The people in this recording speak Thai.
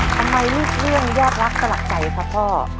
ทำไมมีเรื่องแยกรักสลักใจครับพ่อ